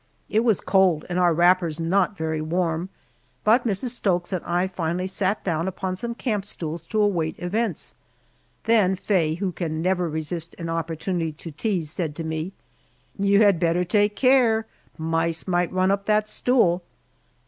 It was cold and our wrappers not very warm, but Mrs. Stokes and I finally sat down upon some camp stools to await events. Then Faye, who can never resist an opportunity to tease, said to me, "You had better take care, mice might run up that stool!"